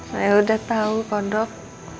saya udah tahu pak dok